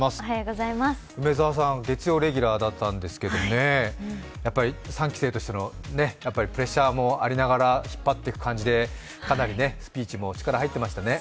梅澤さん、月曜レギュラーだったんですけどね、３期生としてのプレッシャーもありながら引っ張ってく感じでかなりスピーチも力入ってましたね。